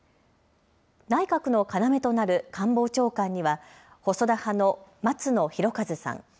内閣の要となる官房長官には細田派の松野博一さん。